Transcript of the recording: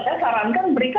saya sarankan berikan